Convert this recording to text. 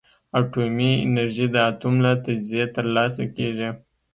اټومي انرژي د اتوم له تجزیې ترلاسه کېږي.